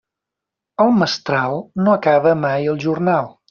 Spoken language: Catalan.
El mestral no acaba mai el jornal.